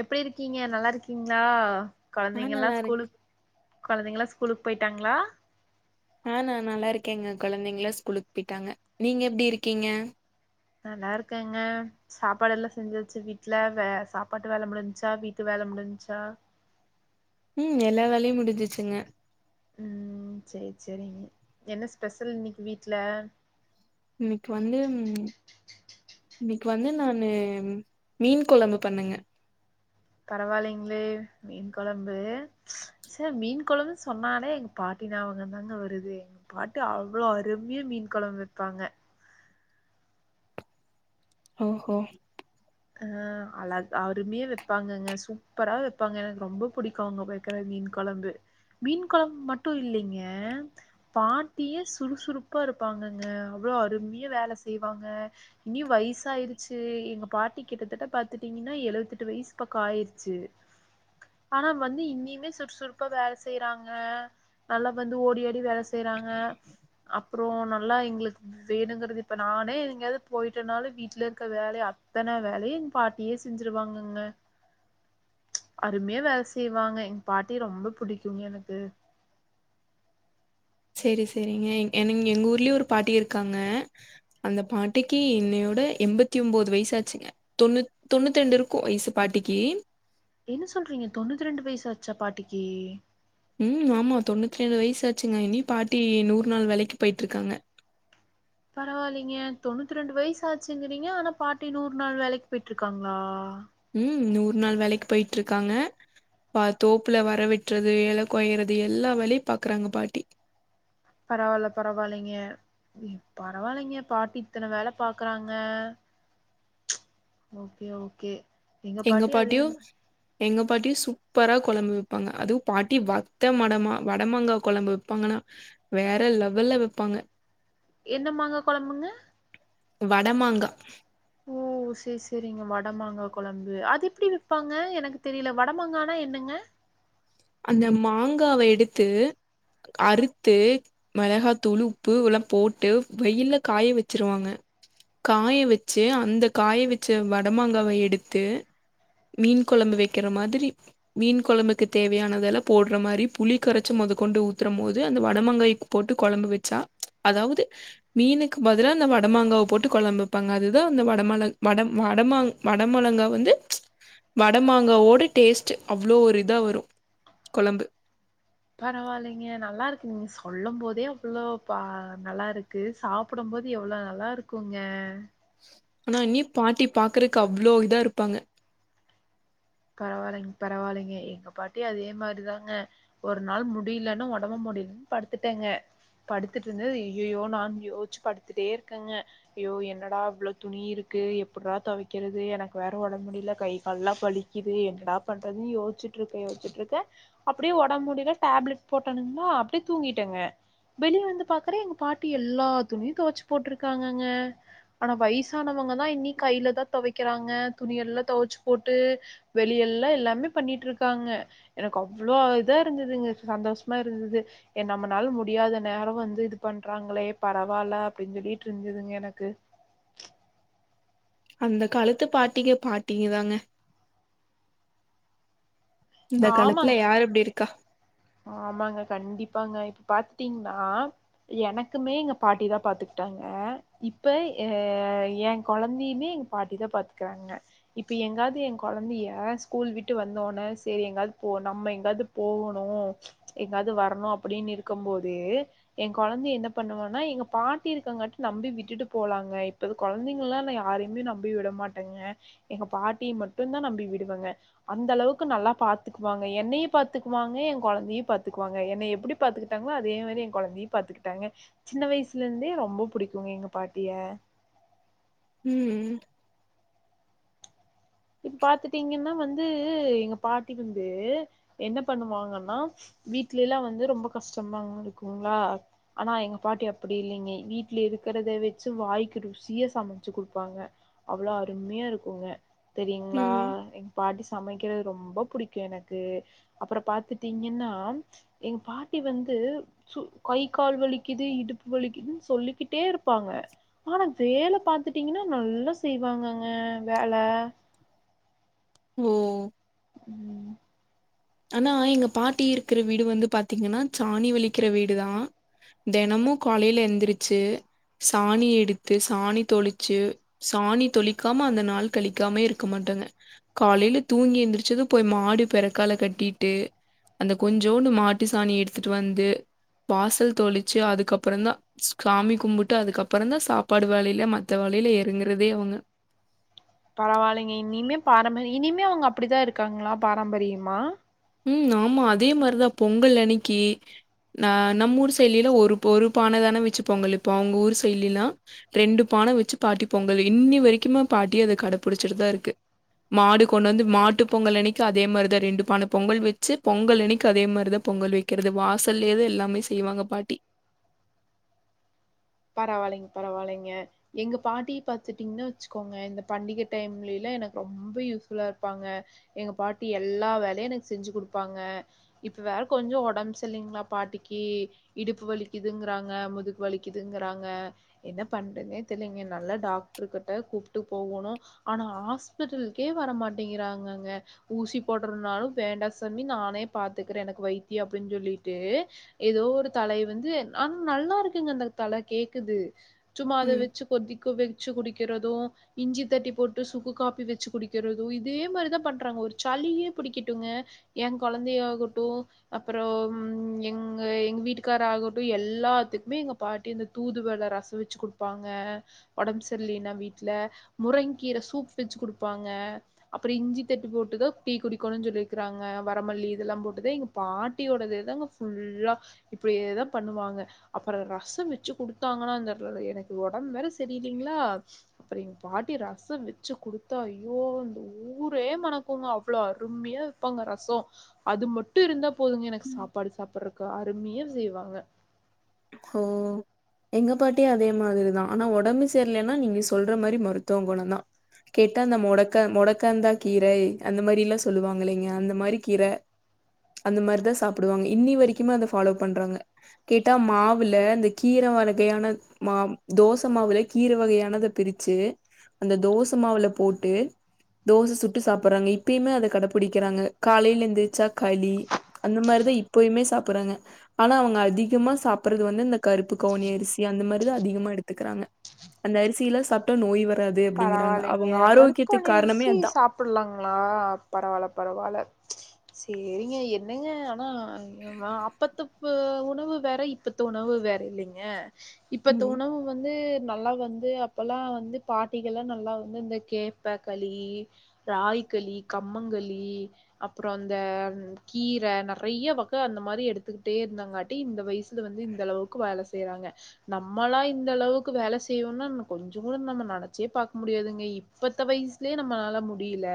எப்டி இருக்கீங்க நல்லா இருக்கீங்களா ஆ கொழந்தைங்க எல்லா நல்லா இருக் ஸ்கூலுக் கொழந்தைங்களா ஸ்கூலுக்கு போயிட்டாங்ளா அ நா நல்லாருக்கேங்க கொழந்தைங்களா ஸ்கூலுக்கு போயிட்டாங்க நீங்க எப்டி இருக்கீங்க நல்லாருக்கங்க சாப்பாடெல்லா செஞ்சாச்சா வீட்ல வே சாப்பாட்டு வேல முடிஞ்ச்சா வீட்டு வேல முடிஞ்ச்சா ம் எல்லா வேலயு முடிஞ்சிச்சுங்க ம் சேரி சேரிங்க என்ன ஸ்பெஷல் இன்னிக்கி வீட்ல இன்னக்கி வந்து இன்னிக்கி வந்து நானு மீன் கொழம்பு பண்ணங்க பரவால்லீங்ளே மீன் கொழம்பு ச்ச மீன் கொழம்பு சொன்னாலே எங்க பாட்டி ஞாபகந்தாங்க வருது பாட்டி அவ்ளோ அருமையா மீன் கொழம்பு வெப்பாங்க ஓஹோ அ அழக் அருமையா வெப்பாங்கங்க சூப்பரா வெப்பாங்க எனக்கு ரொம்ப புடிக்கு அவுங்க வெக் கற மீன் கொழம்பு மீன் கொழம்பு மட்டு இல்லைங்க பாட்டியே சுறுசுறுப்பா இருப்பாங்கங்க அவ்ளோ அருமையா வேல செய்வாங்க இனி வயசாயிருச்சி எங்க பாட்டிக் கிட்டத்தட்ட பாத்துட்டீங்கன்னா எழுவத்தெட்டு வயசு பக்கோ ஆயிருச்சு ஆனா வந்து இன்னியுமே சுறுசுறுப்பா வேல செய்றாங்க நல்லா வந்து ஓடி‌ ஆடி வேல செய்யறாங்க அப்புறோ நல்லா எங்களுக் வேணுங்கிறது இப்ப நானே எங்கேயாது போயிட்டனாலு வீட்ல இருக்க வேலய அத்தன வேலயு எங் பாட்டியே செஞ்சுருவாங்கங்க அருமையா வேல செய்வாங்க எங் பாட்டி ரொம்ப புடிக்குங்க எனக்கு சேரி சேரிங்க எனங் எங்க ஊர்லயு ஒரு பாட்டி இருக்காங்க அந்த பாட்டிக்கு இன்னையோட எண்பத்தி ஒம்போது வயசாச்சுங்க தொண்ணூத் தொண்ணூத்தி தெண்டு இருக்கு வய்சு பாட்டிக்கீ என்ன சொல்றீங்க தொண்ணூத்தி ரெண்டு வயசாச்சா பாட்டிக்கு ம் ஆமா தொண்ணூத்தி ரெண்டு வயசாச்சுங்க இனி பாட்டி நூறு நாள் வேலக்கி போய்ட்டு இருக்காங்க பரவாயில்லீங்க தொண்ணூத்தி ரெண்டு வயசு ஆச்சுங்கிறீங்க ஆனா பாட்டி நூறு நாள் வேலைக்கு போயிட்டு இருக்காங்களா ம் நூற் நாள் வேலைக்கு போய்ட்டு இருக்காங்க பா தோப்புல வர வெட்டுறது எல கொய்றது எல்லா வேலையு பாக்குறாங்க பாட்டி பரவால்ல பரவால்லைங்க பரவால்லைங்க பாட்டி இத்தன வேல பாக்குறாங்க ஓகே ஓகே எங்க பாட்டி அதே பாட்யு எங்க பாட்டி சூப்பரா கொழம்பு வெப்பாங்க அதுவு பாட்டி வத்த மடமா வடமாங்கா கொழம்பு வெப்பாங்கன்னா வேற லெவல்ல வெப்பாங்க எந்த மாங்கா கொழம்புங்க வட மாங்கா ஓ செர்ரி செரிங்க வடமாங்கா கொழம்பு அது எப்டி வெப்பாங்க எனக்கு தெரில வடமாங்கானா என்னங்க அந்த மாங்காவ எடுத்து அறுத்து மெளகாதூளு உப்புஉல்லா போட்டு வெயில்ல காய வெச்சிருவாங்க காய வெச்சு அந்த காய வெச்ச வடமாங்காவ எடுத்து மீன் கொழம்பு வெக்கிற மாதிரி மீன் குழம்புக்கு தேவயானதெல்லா போடுற மாதிரி புளி கரச்சு மொத கொண்டு ஊத்றம் போது அந்த வடமாங்காய போட்டு கொழம்பு வெச்சா அதாவ்து மீனுக்கு பதிலா அந்த வடமாங்காவ போட்டு கொழம்பு வெப்பாங்க அதுதா அந்த வடமால வட வடமாங் வட மொளங்கா வந்து வடமாங்காவோட டேஸ்ட்டு அவ்ளோ ஒரு இதா வரு கொழம்பு பரவால்லங்கெ நல்லா இருக்குங்க சொல்லம் போதே அவ்ளோ பா நல்லாருக்கு சாப் ப்டும் போது எவ்ளோ நல்லா இருக்குங்க ஆனா இனி பாட்டி பாக்றக்கு அவ்ளோ இதா இருப்பாங்க பரவால்லைங்க பரவால்லைங்க எங்க பாட்டியு அதே மாதிரிதாங்க ஒர் நாள் முடியலன்னு ஒடம்பு முடியலன்னு படுத்துட்டேங்க படுத்துட்டு இருந்தது யிய்யோய்யோ நா யோச்சு படுத்துட்டே இருக்கேங்க யோ என்னடா இவ்ளோ துணி இருக்கு எப்ட்ரா தொவக்கிறது எனக்கு வேற ஒடம்பு முடிய்ல கை கால்லா வலி இது என்னடா பண்றதுன்னு யோச்சுட்டுக்கே யோச்சுட்டுருக்கே அப்டியே ஒடம்பு முடில டேப்லெட் போட்டேணுங்களா அப்டியே தூங்கிட்டேங்க வெளிய வந்து பாக்குறே எங்க பாட்டி எல்லா துணியும் துவச்சு போட்ருக்காங்கங்க ஆனா வய்சானவங்க தா இனி கையில தா தொவக்கிறாங்க துணியெல்லா தொவச்சு போட்டு வெளியெல்லா எல்லாமே பண்ணிட்டுருகாங்க எனக்கு அவ்ளோ இதா இருந்ததுங்க சந்தோஷமா இருந்தது ஏ நம்மனால முடியாத நேரோ வந்து இது பண்றாங்களே பரவால்ல அப்டின்னு சொல்லிட்டு இருந்ததுங்க எனக்கு அந்த காலத்து பாட்டிங்க பாட்டிங்கதாங்க இந்த ஆமாங்க காலத்துல யாரு எப்டி இருக்கா ஆமாங்க கண்டிப்பாங்க இப்ப பாத்தீங்கன்னா எனக்குமே எங்க பாட்டி தா பாத்துக்கிட்டாங்க இப்ப எ ஏ கொழந்தையுமே எங்க பாட்டிதா பாத்துக்கறாங்க இப்ப எங்காவ்து ஏ கொழந்திய ஸ்கூல் விட்டு வந்தோனே சேரி எங்காவ்து போ நம்ம எங்காவ்து போவோணு எங்காவ்து வரணு அப்பிடின்னு இர்க்கும் போது என் கொலந்தைய என்ன பண்ணுவன்னே எங்க பாட்டி இருக்கங்கட்டி நம்பி விட்டுட்டு போலாங்க இப்ப கொழந்தைங்கல்லா நா யாரையுமே நம்பி விட மாட்டங்க எங்க பாட்டிய மட்டுந்தா நம்பி விடுவேங்க அந்த அளவுக்கு நல்லா பாத்துக்குவாங்க என்னைய பாத்துக்குவாங்கே ஏ கொழந்தையும் பாத்துக்குவங்கே என்ன எப்டி பாத்துக்கிட்டாங்களோ அதே மாரி எ கொழந்தையையும் பாத்துக்கிட்டாங்க சின்ன வயசுலந்தே ரொம்ப புடிக்குங்க எங்க பாட்டிய ம் இப்ப பாத்துட்டீங்கன்னா வந்து எங்க பாட்டி வந்து என்ன பண்ணுவாங்கன்னா வீட்ல எல்லா வந்து ரொம்ப கஷ்டமா இருக்குங்களா ஆனா எங்க பாட்டி அப்டி இல்லைங்க வீட்டுல இருக்கிறத வச்சி வாய்க்கு ருசியா சமச்சி குடுப்பாங்க அவ்லோ அருமையா இருக்குங்கே தெரியுங்களா ம் பாட்டி சமைக்கிறது ரொம்ப புடிக்கும் எனக்கு அப்ரோ பாத்துட்டீங்கன்னா எங்க பாட்டி வந்து சு கை கால் வலிக்குது இடுப்பு வலிக்குதுன்னு சொல்லிக்கிட்டே இருப்பாங்க ஆனா வேல பாத்துட்டீங்கன்னா நல்லா செய்வாங்கங்கே வேல ஓ ம் ஆனா எங்க பாட்டி இருக்கிற வீடு வந்து பாத்தீங்கன்னா சாணி வலிக்கிற வீடுதா தேனமும் காலையில எழுந்திரிச்சி சாணி எடுத்து சாணி தொளிச்சி சாணி தொளிக்காம அந்த நாள் கழிக்காமே இருக்க மாட்டாங்கே காலையில தூங்கி எழுந்திரிச்சதும் போய் மாடு பிறக்கால கேட்டிட்டு அந்த கொஞ்சோன்டு மாட்டு சாணி எடுத்துட்டு வந்து வாசல் தெளிச்சி அதுக்கப்ரோந்தா ஸ்காமி கும்புட்டு அதுக்கப்புறந்தா சாப்பாடு வேலையிலே மத்த வேலையிலே இறங்குறதே அவங்க பரவாயில்லைங்க இனிமே பாரம்பரியம் இனிமே அவங்க அப்பிடிதா இருக்காங்களா பாரம்பரியமா உம் ஆமா அதே மாரிதா பொங்கல் அன்னைக்கி ந நம்ம ஊர் சைட்டுலேலா ஒரு ஒரு பானதான வச்சி பொங்கல் வைப்போ அவங்க ஊர் செடுலா ரெண்டு பான வச்சி பாட்டி பொங்கல் இன்னி வரைக்குமே பாட்டி அத கடை புடிச்சிட்டுதா இருக்கு மாடு கொண்டு வந்து மாட்டு பொங்கல் அனைக்கு அதே மாரிதா ரெண்டு பான பொங்கல் வச்சி பொங்கல் அன்னைக்கு அதே மாரிதா பொங்கல் வைக்கிறது வாசல்லேதா எல்லாமே செய்வாங்கே பாட்டி பரவாலைங்க பரவாலைங்க எங்க பாட்டிய பாத்துட்டீங்கன்னா வச்சுக்கோங்க இந்த பண்டிகை டைம்ல எல்லாம் எனக்கு ரொம்ப யூஸ்ஃபுல்லா இருப்பாங்க எங்க பாட்டி எல்லா வேலையு எனக்கு செஞ்சு கொடுப்பாங்க இப்ப வேற கொஞ்சோ உடம்பு செல்லைங்களா பாட்டிக்கு இடுப்பு வலிக்குதுங்கறாங்க முதுக்கு வலிக் க்குதுங்கறாங்க என்ன பண்றதுனே தெர்லங்க, நல்லா டாக்டரு கிட்ட கூப்பிட்டு போகணும் ஆனா ஹாஸ்பட்டலுக்கே வரமாட்டேங்கிறாங்கங்கே ஊசி போடுறனாலும் வேண்டா சாமி நானே பாத்துக்கற எனக்கு வைத்தியோ அப்பிடின்னு சொல்லிட்டு ஏதோ ஒரு தலயே வந்து ஆன நல்லா இருக்குங்கே அந்த தல கேக்குது சும்மா ம். அதவச்சு கொதிக்க வச்சு குடிக்கிறதும் இஞ்சி தட்டி போட்டு சுக்கு காப்பி வச்சி குடிக்கிறதோ இதே மாரிதா பண்றாங்க ஒரு சளியே புடிக்கட்டுங்க ஏ கொலந்தையாகட்டு அப்புறோ ம் எங்க எங்க வீட்டுக்காரர் ஆகட்டும் எல்லாத்துக்குமே எங்க பாட்டி இந்த தூதுவல ரசம் வச்சி குடுப்பாங்கே உடம்பு சரிலன்னா வீட்டுல முருங்கங்கீர சூப் வச்சி குடுப்பாங்க அப்புறம் இஞ்சி தட்டி போட்டுதா டீ குடிக்கணும்னு சொல்லிருக்காங்க வரமல்லி இதெல்லா போட்டுதா எங்க பாட்டியோடே தாங்கே ஃபுல்லா இப்டியேதா பண்ணுவாங்க அப்புறம் ரச சம் வச்சு குடுத்தாங்கன்னா அந்த எனக்கு உடம்பு வேற சரியில்லலைங்களா அப்ற எங்க பாட்டி ரசம் வச்சு குடுத்தா ஐயோ அந்த ஊரே மனக்குங்கே அவ்ளோ அருமையா இருக் வைப்பாங்க ரசோ அது மட்டு இருந்தா போதுங்கே எனக்கு சாப்பாடு சாப்றக்கு அருமையா செய்வாங்க ஓ எங்க பாட்டியு அதே மாதிரிதான் ஆனா உடம்பு சேரலன்னா நீங்க சொல்ற மாதிரி மருத்துவ குணம் தான் கேட்டா அந்த மொடக்க மொடக்காந்தா கீரை அந்த மாரி எல்லா சொல்லுவாங்க இல்லைங்க அந்த மாரி கீரை அந்த மாரிதா சாப்டுவாங்க இன்னி வரைக்குமே அத ஃபாலோ பண்றாங்க கேட்டா மா மாவுல இந்த கீரை வகையான மா தோச மாவுல கீரை வகையானத பிரிச்சு அந்த தோச மாவுல போட்டு தோச சுட்டு சாப்றாங்க இப்பயுமே அத கடப்பிடிக்கிறாங்க காலையில எந்துருச்சா களி அந்த மாரிதா இப்பயுமே சாப்றாங்க ஆனா அவுங்க அதிகமா சாப்ப ப்புறது வந்து இந்த கருப்பு கவுனி அரிசி அந்த மாரி தா அதிகமா எடுத்துக்கிறாங்க அந்த அரிசியல்லா சாப்ப நோய் வராது அப்டிங்கிறாங்க பரவாயில்லைங்க அவுங்க ஆரோக்கியத்துக்கு காரணமே அதான் அப்பிடலாங்ளா பரவால்ல பரவால்ல சேரிங்க எங்க ஆனா அப்பத்து உணவு வேற இப்பத்த உணவு வேற இல்லைங்க இப்ப த ம் உணவு வந்து நல்லா வந்து அப்பல்லா வந்து பாட்டிகள்லா நல்லா வந்து இந்த கேப்ப களி ராகிகளி கம்மங்களி அப்றோ அந்த கீரை நெறைய வகை அந்த மாரி எடுத்துக்கிட்டே இருந்தாங்காட்டி இந்த வயசு வந்து இந்த அளவுக்கு வேலை செய்றாங்க நம்மளா இந்த அளவுக்கு வேலை செய்றோம்னா கொஞ்சோ கூட நம்ம நட நெனச்சே பாக்க முடியாதுங்க இப்பத்த வயசுலயே நம்மனால முடியல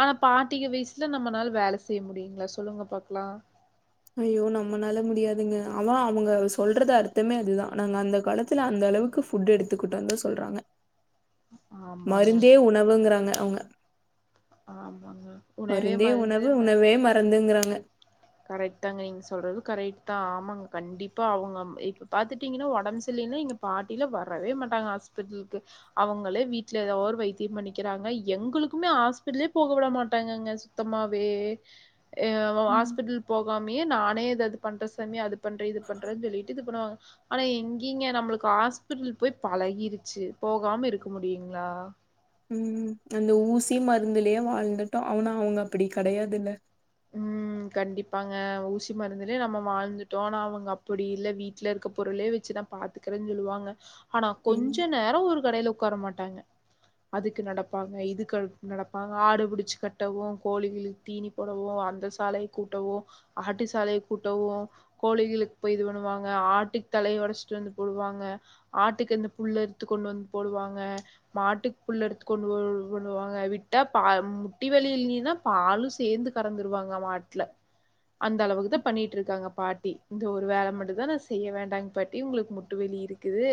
ஆனா பாட்டிக வயசுல நம்மளால வேலை செய்ய முடியுங்ளா சொல்லுங்க பாக்கலா ஐயோ நம்மனால முடியாதுங்க ஆனா அவுங்க சொல்றது அர்த்தமே அதுதா நாங்க அந்த காலத்துல அந்த அளவுக்கு ஃபுட் எடுத்துக்கிட்டோந்தா சொல்றாங்க ஆமாங்க மருந்தே உணவுங்றாங்க அவுங்க ஆமாங்க உணவே மருந்து மார் ந்துங்றாங்க கரெக்ட் தாங்க நீங்க சொல்றது கரெக்ட் தான் ஆமாங்க கண்டிப்பா அவுங்க இப்ப பாத்துட்டீங்கன்னா உடம்பு சரில்லனா இங்க பாட்டில வரவே மாட்டாங்க ஹாஸ்பிட்டலுக்கு அவுங்களே வீட்ல ஏதாவ ஒரு வைத்தியம் பண்ணிக்கிறாங்க எங்களுக்குமே ஹாஸ்பிடலே போக விட மாட்டாங்கங்க உத்தமா வே அ ஹாஸ் ம். ஹஸ்பிட்டல் போகாமே நானே எதாது பண்றே சாமி அது பண்றேன் இது பண்றேன்னு சொல்லிட்டு இது பண்ணுவாங்க ஆனா எங்கிங்க நம்மளுக்கு ஹாஸ்பிட்டல் போய் பழகிருச்சு போகாம இருக்க முடியுங்களா உம் அந்த ஊசி மருந்துலயே வாழ்ந்துட்டோ அவனா அவுங்க அப்டி கெடையாதுல்ல உம் கண்டிப்பாங்க ஊசி மருந்துலே நம்ம வாழ்ந்துட்டோ ஆனா அவுங்க அப்டி இல்ல வீட்ல இருக்க பொருளே வச்சு தா பாத்துக்க க்கறேனு சொல்லுவாங்க ஆனா ம். கொஞ்ச நேரோ ஒரு கடையில உக்கார மாட்டாங்க அதுக்கு நடப்பாங்க இதுக்கு நடப்பாங்க ஆடுபிடிச்சு கட்டவும் கோழிகளுக்கு தீனி போ கூவும் அந்த சாலய கூட்டவும் ஆட்டி சாலய கூட்டவு கோழிகளுக்கு போய் இது பண்ணுவாங்க ஆட்டுக்கு தலய உடச்சிட்டு வந்து போடுவாங்க ஆட்டுக்கு அந்த புள்ள எடுத்து கொண்டு வந்து போடுவாங்க மாட்டுக்கு புல் எடுத்து கொண்டுவா [unintelligible] [unintelligible] ங்க விட்டா பா முட்டி வலி இல்லேன்னா பாலு சேந்து கறந்துருவாங்க மாட்ல அந்த அளவுக்கு தா பண்ணிட்டு இருக்காங்க பாட்டி இந்த ஒரு வேலை மட்டும் தான் நா செய்ய வேண்டாங்க பாட்டி உங்களுக்கு முட்டு வலி இருக்கு க்குது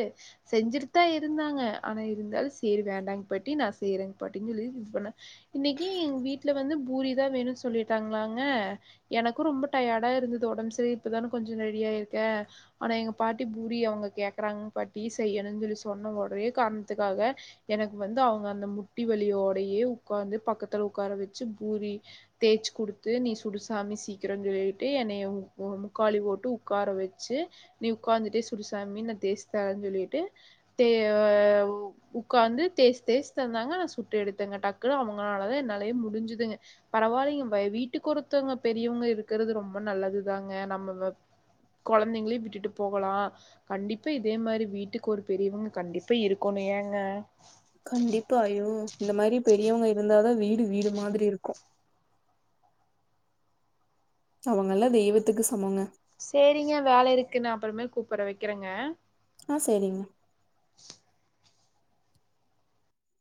செஞ்சுட்டு தா இருந்தாங்க ஆனா இருந்தாலும் சேரி வேண்டாங்க பாட்டி நான் செய்யறேங்க பாட்டினு சொல்லி இது பண்ணே இன்னைக்கி எங்க வீட்ல வந்து பூரிதான் வேணும் சொல்லிட்டாங்களாங்க எனக்கும் ரொம்ப டயர்டா இருந்தது உடம்பு சரி இப்பதானே கொஞ்சம் ரெடியா ஆய்ருக்கே ஆனா எங்க பாட்டி பூரி அவுங்க கேக்குறாங்க பாட்டி செய்யணும்னு சொல்லி சொன்ன ஒரே காரணத்துக்காக எனக்கு வந்து அவுங்க அந்த முட்டி வலியோடையே உட்கார்ந்து பக்கத்துல உட்கார வச்சு பூரி தேய்ச்சு குடுத்து நீ சுடுசாமி சீக்கிரோ சொல்லிட்டு என்னைைய மு முக்காளி போட்டு உட்கார வச்சு நீ உட்காந்துட்டே சுடுசாமி ந தேச தறன்னு சொல்லிட்டு தே ஆ உக்காந்து தேச் தேச் தந்தாங்க ஆனா சுட்டு எடுத்தேங்க டக்குனு அவங்களாலதா என்னாலயே முடிஞ்சுதுங்க பரவாயில்லைங்க பை வீட்டுக்கு ஒருத்தவங்க பெரியவங்க இருக்கிறது ரொம்ப நல்லதுதாங்க நம்ம கொழந்தைங்களையும் விட்டுட்டு போகலா கண்டிப்பா இதே மாரி வீட்டுக்கு ஒரு பெரியவங்க கண்டிப்பா இருக்கோணும் ஏங்க கண்டிப்பா ஐயோ இந்த மாரி பெரியவங்க இருந்தாதான் வீடு வீடு மாதிரி இருக்கும் அவங்கல்லாம் தெய்வத்துக்கு சமங்க சேரிங்க வேல இருக்கு நான் அப்பறமே கூப்பிறன் வக்கிறேங்க ஆ சேரிங்க